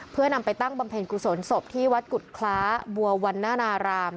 เพื่อนำไปตั้งบำเพ็ญกุศลศพที่วัดกุฎคล้าบัววันนานาราม